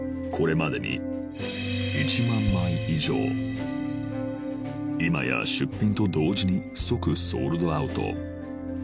これまでに今や出品と同時に即ソールドアウト